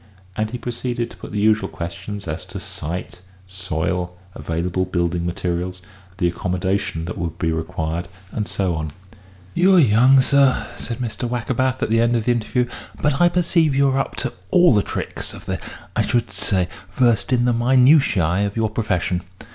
And he proceeded to put the usual questions as to site, soil, available building materials, the accommodation that would be required, and so on. "You're young, sir," said Mr. Wackerbath, at the end of the interview, "but I perceive you are up to all the tricks of the I should say, versed in the minutiæ of your profession.